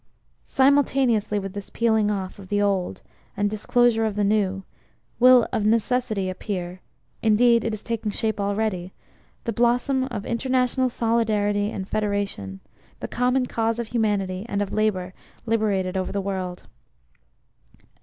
Simultaneously with this peeling off, of the Old, and disclosure of the New, will of necessity appear indeed it is taking shape already the blossom of international solidarity and federation the common cause of Humanity and of Labour liberated over the world.